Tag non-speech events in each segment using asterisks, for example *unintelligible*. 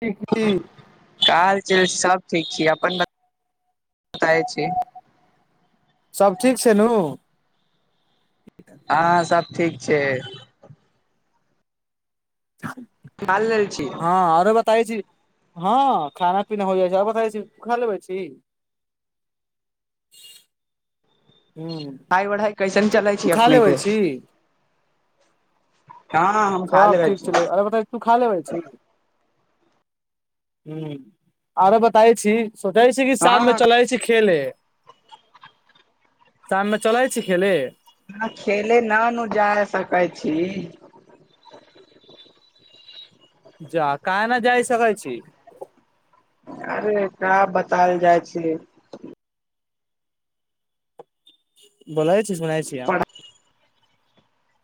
ठीक छी हाल चाल सब ठीक छी अपन बताबै छी सब ठीक छै नु अहां सब ठीक छय हं खाल लेल छी हँ आरो बताै छी हँ खाना पीना हो जाइ छै आर बताै छी खा लेबै छी हूँ पढ़ाइ वढ़ाई कैसेन चलै छी अपने के हम खा सब लेबे ठीक छी छलै और बताही सुखा लेबै छी ह आरो बताय छी सोचै छै कि शाम मे हँ चलै छै खेले शाम मे चलै छै खेले ह खेले न नु जा सकै छी जा काए ना जाइ सक छी अरे कऽ बतायल जाइ छी बोलैय छी सुनै छियै हम पढ़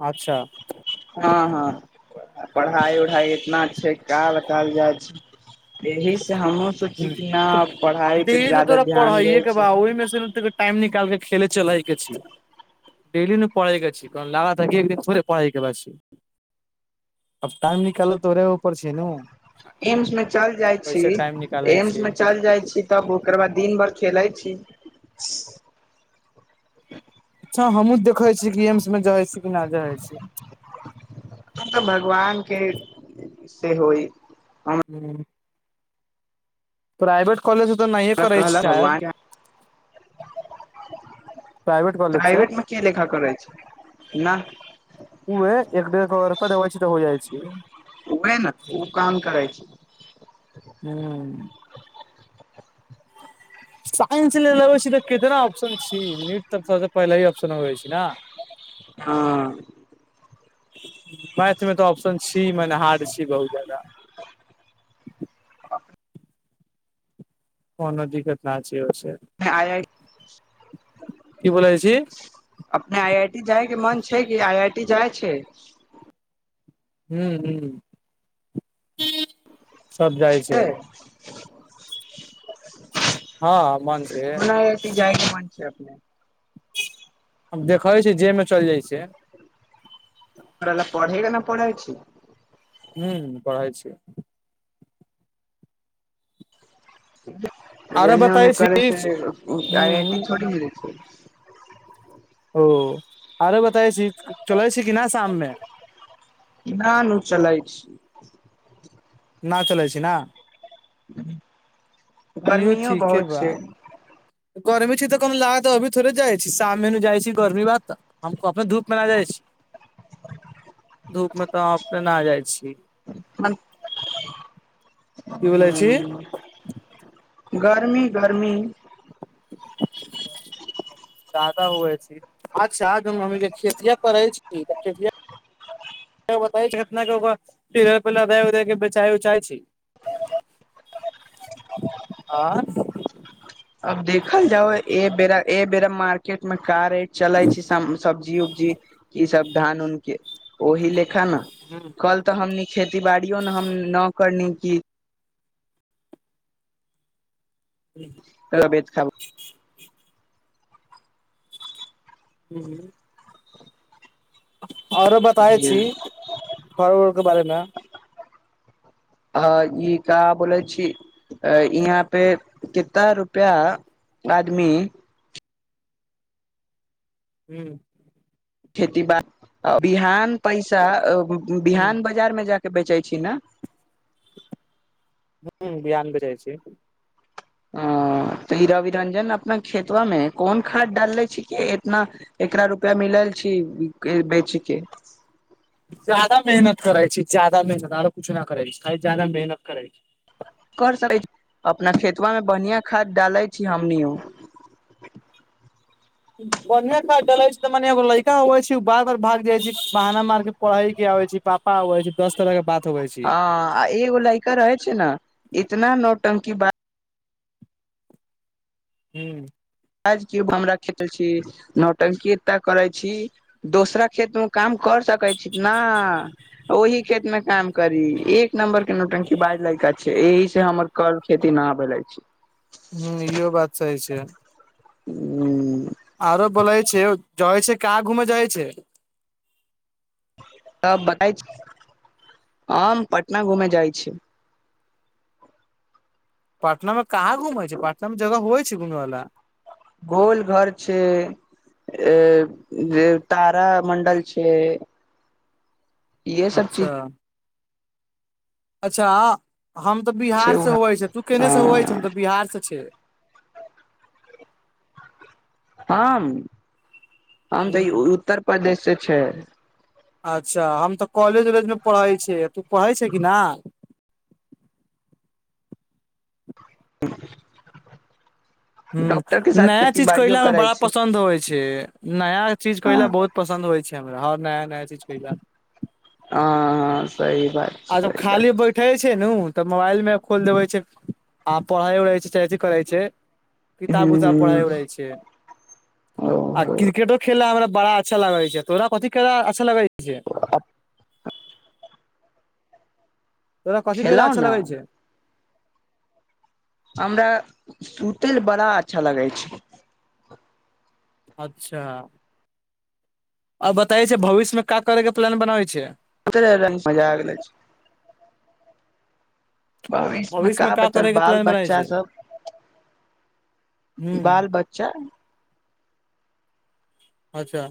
अच्छा हँ हँ पढ़ाई उढ़ाइ इतना छै का कायल जाइ छै एहि से हमु ह तऽ दे तऽ डैली तऽ तोरा ध्यान पढ़ाइए दै के छै बा ओहि मे टाइम निकाल के खेले चलए हके छी डेली ने पढ़ *unintelligible* इ गेल छी लागा की एकदिन छोड़ पढ़ाइ के बछि अब टाइम निकाल तोरेऽ उपर छै ने एम्स मे चल जाइ छी निकालै एम्स छै मे चल जाइ छी तब ओकर बाद दिन भर खेलै छी अच्छा हमु देखै छीयै कि एम्स मे जाइ छीयै कि नहि जाय छी हम तऽ भगवान के से होइ हू प्राइवेट कॉलज तऽ नहिए करै छै कहलक शायद भगवान प्राइवेट कॉलेज से प्राइवेट मे के लेखा करै छै ना उहे एक डेढ़ करोर दबइ छी तऽ हो जाइ छै उहे न ओ काम करै छै हू साइंस लैलबै छी तऽ कितना ऑप्शन छी नीट तऽ सबसे पहिले ऑप्शन होे छै न हँ मैथ मे तऽ ऑप्शन छी मने हार्ड छी बहुत ज्यादा कोनो दिक्कत नाई छी हो से *unintelligible* आय *unintelligible* *unintelligible* की बोलै छी अपने आई आई टी जाय के मन छै कि आई आइ टी जाइ छै हू हू सब जाइ छै हँ मन से ओना आईआईटी जायके मन छै अपने देखै छै जे मे चलि जाइ छै ओकरा लग पढ़ेला ने पढ़ै छि हू पढ़ई छी आरो एन्ने ओने बताै करै छी छै आई आइ टी हूँ थोड़ी मिलै छै ओ आरो बता छी चलै छी कि न शाम मे न नू चलाइ छी ना चलै छै ना इहो गर्मियो ठीके बहुत बा छै गर्मी छी तऽ कनो लाद तऽ अभी थोरे जाइ छी साम नु जाइ छी गर्मी बाद तऽ हमको अपन धूप मे न जाइ छी धूप मे तऽ अह अपने नहा जाइ छी की *unintelligible* ह्म बोलै छी *unintelligible* गर्मी गर्मी जादा हुए छै अच्छा, हमी खेतिया करै छी तऽ खे। *unintelligible* उ के बेचााय उचा छी *unintelligible* आँ? अब देखल जाउ ए बेरा मार मार्केटमे कार रेट चले छै, सब्जी उब्जी ई सभ धान उनके ओहि लेख न। हू। कल तऽ हमनी खेती बाड़ियो मे हम न करनी कि। ह। तबियात खराब। हूँ। आ ओरो बताै छी फरवर्डके बारेमे हँ, ई कऽ बोलै छी? अ, यहाँ पे कितना रुपआ आदमी? हू। खेती बी बिहान पैसा ह बिहान बाजारमे जाकऽ बेचै छी ने? हू, बिहान बेचइ छी। ह, तऽ ई रवि रंजन अपना खेतबामे कोन खाद डालले छिक इतना। एकरा रुपआ मिल छी बेचके जदा मेहनत करै छी, जादा मेहनत आरो कछु न करै छै, जदा मेहनत करै छी। कर सकै छी, अपना खेतबामे बढ़िया खाद डाले छी हमनि। बढिया खाद डलै छै, त मनेगो लड़का ह छै, भाग आर भाग जाइ छै बहाना मारके पढ़ै की आबै छी पापा आउ छै। दस तरहके बात होबै छै। ह आ एगो लैका रहे छै ने इतना नौटंकी बाज हू। हमरा खेत छी नौटंकी ए करै छी। दोसरा खेतमे काम कर सकै छी ने। ओहि खेतमे काम करी एक नम्बरके नोटंकी बाज लड़का छै, एहि से हमर। कल खेती न भेले छै। हू, इहो बात सही छै। हू। आरो बोलै छै, जाइ छै, कहाँ घूमे जाइ छै। त बता *unintelligible* हम पटना घूमे जाइ छी। पटनामे कहाँ घुमै छै, पटनामे जगह होइ छै, घूमै वाला गोलघर छै। अ जे तारा मंडल छै। इहे सब चीज अच्छा। अच्छा, हम तऽ छै बिहार से वहाँ। हवै छै, तू केने से हवै छै? हम तऽ बिहार से छै। हम, हम तऽ ह उत्तर प्रदेश से छै। अच्छा, हम तऽ कॉलेज उलेजमे पढ़ै छिय, तू पढ़े छै कि न? ह। हू, नया खेती चीज बाड़ियो कयला हमरा करै बड़ा छी पसन्द होइ छै। नया चीज कयला हँ बहुत। पसन्द होइ छै, हमरा आर नया नया चीज ख। हँ, हँ, सही बात। छै ओरब सही बात खाली बैठ उठे छै न तऽ मोबाइल मे खोल देबे छै आ पढ़ई उढ़ छैथ करै छय ह किताब उताब पढ़ै उ रहै छ आ ओहो क्रिकेटो खेला हमरा बड़ा अच्छा लागै छै तोरा कथी खेला अच्छा लगे छय तोरा कथि कहहिले खेलउ अच्छा ने लगै छय हमरा सुतय लऽ बड़ा अच्छा लगै छै अच्छा आ बताय छै भविष्य मे क करे के प्लान बनाबै छियै क मजा आगै भविष्य में क मे का बतल करे के बाल प्लान बनाबै बच्चा छै सब हूँ बाल ब च अच्छा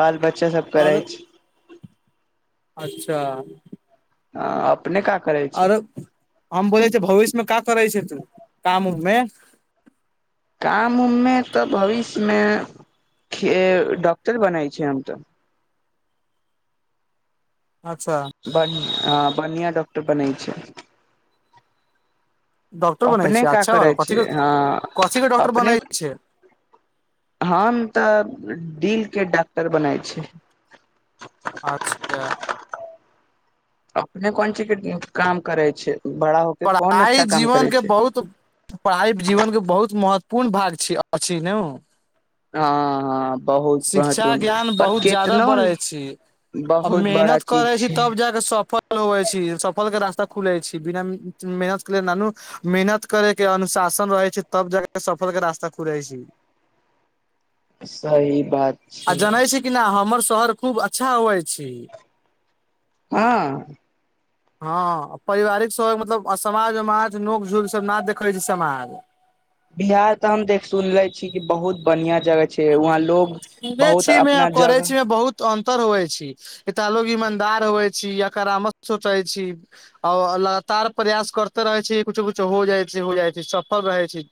बाल बच्चा सब करै आरो छ अच्छा हं अपने का करै छै आरो हम बोलै छ भविष्य में का करै छै तू काम उम मे काम उम में तऽ भविष्य में डॉक्टर बनै छै हम तऽ अच्छा बढ़ ह बढ़आँ डॉक्टर बनैत छै डॉक्टर बनै अपने छै का अच्छा करै वाला कथी छियै के हँ कथी के डॉक्टर अपने बनै छै हम तऽ डिल के डॉक्टर बनाय छय अच्छा अपने कोन चीज के काम करय छै बड़ा हो पढ़ाई जीवन के बहुत पढ़ाई जीवनके बहुत महत्वपूर्ण भाग छय अछि नेओ हँ हँ बहुत शिक्षा महत्वपूर्ण ज्ञान पर बहुत जादा केतनो बढ़ै छी आ बहुत बड़ा मेहनत करै चीज छी छै तब जाके सफल लऽ हो छै सफल के रास्ता खुले छै बिना मेहनत के लेल नानू मेहनत करे के अनुशासन रहे छै तब जाके सफर के रास्ता खुले छ्य सही बात आ जनै छै कि न हमर शहर खूब अच्छा होय छी हँ *inaudible* हँ पारिवारिक सब मतलब समाज उमाज नोक झोक सब ना देखै छै समाज बिहार तऽ हम देख सुनले की बहुत बढ़िया जगह छै वहाँ लोग सुनै बहुत छी मे आ अपना करै छी जगह मे बहुत अन्तर होबै छी एटा लोग ईमानदार होइ छी या करामश सोचै छी आओ लगातार प्रयास करते रहै छी कुछो कुछो हो जाय छी हो जाय छी सफल रहै छी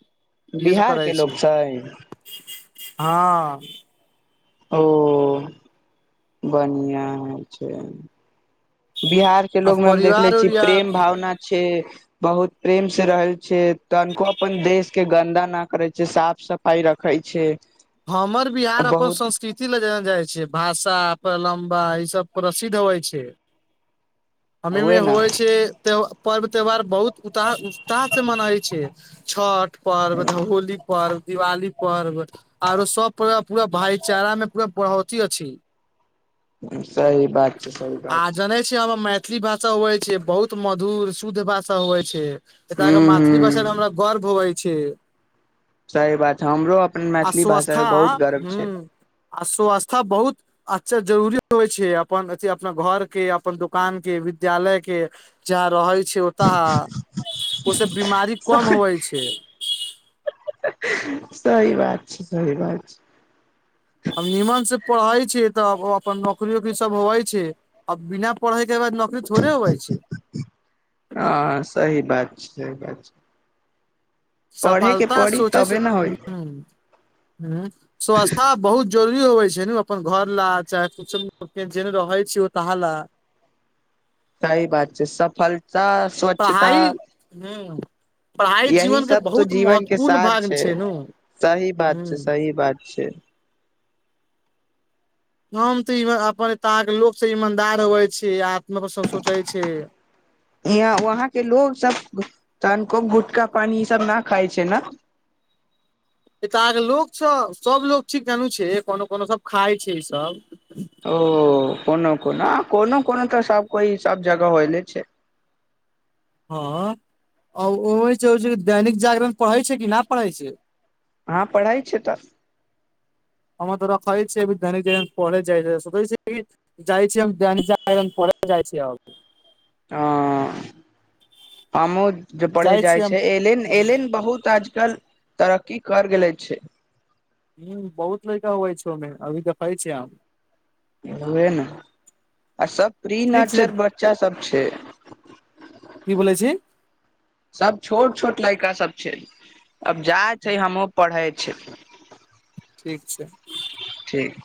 यस करै छी दइ हँ आओ बढ़ियां होय छै बिहार के आ लोग में हम देखले परिवार छी प्रेम उरिवार भावना छय बहुत प्रेम से रहल छै तनिको अपन देश के गन्दा न करे छै साफ सफ पाई रखै छ्य हमर बिहार अपन संस्कृति ल जे जाइ छय भाषा प्रलम्बा ई सब प्रसिद्ध होइ छै अमे उहे न होइ छै त पर्व त्यौहार बहुत उता उत्साह से मनाै छै छठ पर्व होली पर्व दिवाली पर्व आरो सब प पूरा भाईचारा में पूरा बढ़ौती अछि सही बात छै सही आ बात छै जनै मैथिली भाषा हुए छै बहुत मधुर शुद्ध भाषा हु छै एत के हूँ मैथिली भाषा में हूँ हमरा गर्व होबै छै सही बात हमरो अपन मैथिली भाषा पर बहुत गर्व छय आशु आस्था बहुत अच्छा जरूरी होइ छै अपन अथि अपना घर के अपन दुकान के विद्यालय के जहाँ रहै छै ओतह ओहिस बीमारी कम होवै छय सही बात छै सही बात छै हम नीमन से पढ़ै छी तऽ अपन नौकरी वौकरी सब होवै छै आब बिना पढ़य के बाद नौकरी थोड़े होवै छय हँ सही बात छै सही बात छय सफलता पड़ी सोचे से तबे ने होइ हं हं स्वस्थता बहुत जरूरी होवे छै ने अपन घर ला चाहे कुछो जे रहे छी तहा ला सही बात छै सफलता स्वच्छता पढ़ाई ह् पढ़ाई यही जीवनके सब तो बहुत जीवन के महत्वपूर्ण सार भागमे छै नु सही बात ह छय सही बात छय हम त अपन *unintelligible* त के लोक से ईमानदार होए छै आत्म पर सब सोचे छी यहाँ वहाँ के लोग सब तहन कोब गुटका पानि ई सब न खाइ छय ने ए त अहाँके लोक सब सब लोक ठीक जानू छै कोनो कोनो सब खाय छै ई सब ओ कोनो कोनो कोनो कोनो त सब कोई सब जगह होयले छै हँ ओमे दैनिक जागरण पढ़ै छै कि नहि पढ़ै छय हँ पढ़ए छै तऽ हममे तोरा खइ छै *unintelligible* धनी ज पलेइ छै श कहै छय जाइ छी हम जन पे पढ़े जाइ छी अब आ आमो जे पढ़े जाइ छी हम छै एलन एलेन बहुत आजकल तरक्की कर गेले छय ह बहुत लड़का होइ छै ओहि मे अभी देखै छी हम उहे ने सब प्री ठीक छै नेचर बच्चा सब छै की बोलै छी सब छोट छोट लड़का सब छै अब जाइ छै हमो पढ़ै छै ठीक छै ठीक